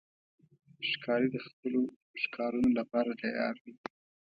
ښکاري د خپلو ښکارونو لپاره تیار دی.